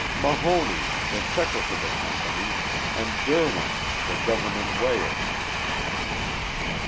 "Mahoney, the checker for the company, and Derwent, the government weigher."